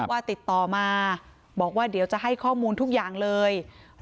ว่าติดต่อมาบอกว่าเดี๋ยวจะให้ข้อมูลทุกอย่างเลย